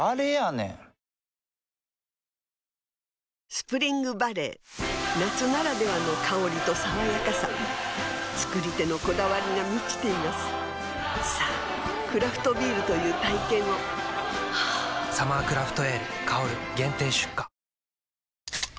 スプリングバレー夏ならではの香りと爽やかさ造り手のこだわりが満ちていますさぁクラフトビールという体験を「サマークラフトエール香」限定出荷